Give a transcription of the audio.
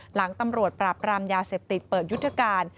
หลังตำรวจปราบรามยาเสพติดเปิดยุทธการ